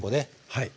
はい。